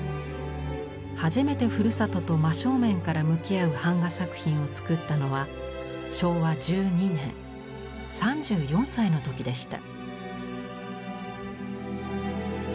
初めてふるさとと真正面から向き合う板画作品をつくったのは昭和１２年３４歳の時でした。